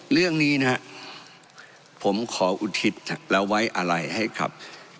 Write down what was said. เรื่องนี้นะครับผมขออุทิศและไว้อะไรให้กับ